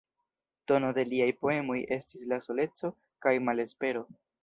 Tono de liaj poemoj estis la soleco kaj malespero.